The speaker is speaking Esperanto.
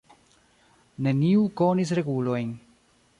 Neniu konis regulojn.